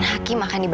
sudah pagi ininya aida